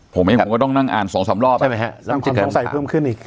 ผมเองก็ต้องนั่งอ่านสองสามรอบใช่ไหมครับต้องใส่เพิ่มขึ้นอีก